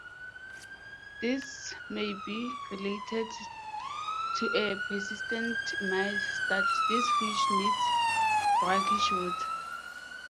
This may be related to a persistent myth that these fish need brackish water.